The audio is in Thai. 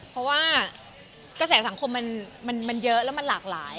เพราะว่ากระแสสังคมมันเยอะแล้วมันหลากหลาย